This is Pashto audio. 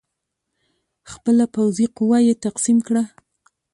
خپله پوځي قوه یې تقسیم کړه.